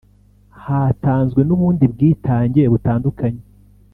hatanzwe n’ubundi bwitange butandukanye